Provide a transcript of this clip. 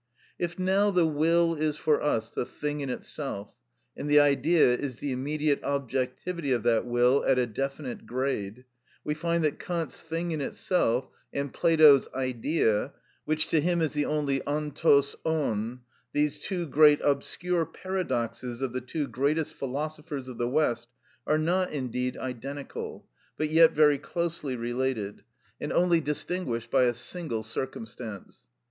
If now the will is for us the thing in itself, and the Idea is the immediate objectivity of that will at a definite grade, we find that Kant's thing in itself, and Plato's Idea, which to him is the only οντως ον, these two great obscure paradoxes of the two greatest philosophers of the West are not indeed identical, but yet very closely related, and only distinguished by a single circumstance.